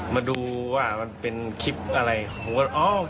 มาดูว่ามันเป็นคลิปอะไร